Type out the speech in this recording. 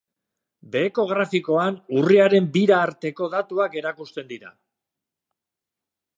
Beheko grafikoan urriaren bira arteko datuak erakusten dira.